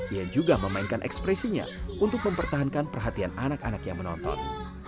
ia juga memainkan ekspresinya untuk mempertahankan perhatian anak anak yang menonton